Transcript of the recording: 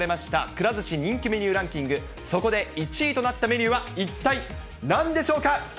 くら寿司人気メニューランキング、そこで１位となったメニューは、一体なんでしょうか。